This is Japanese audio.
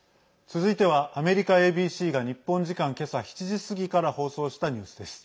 続いては、アメリカＡＢＣが日本時間けさ７時過ぎから放送したニュースです。